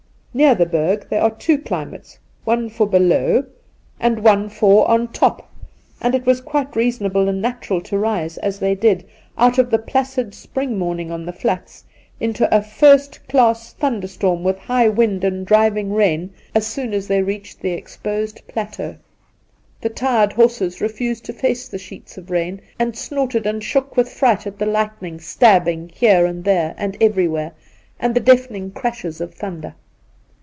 Near the Berg there are two climates, one for ' below ' and one for ' on top,' and it was quite reasonable and natural to rise, as they did, out of the placid spring morniiig on the flats into a first class thunderstorm with high wind and driving rain as soon as they reached 88 Induna Nairn the exposed plateau. The tu ed horses refused to face the sheets of rain, and snorted and shook with fright at the lightning stabbing here and there and everywhere, and the deafening crashes of thunder.